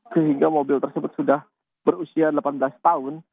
sehingga mobil tersebut sudah berusia delapan belas tahun